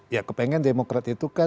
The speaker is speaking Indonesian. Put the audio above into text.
ya kepengen demokrat itu kan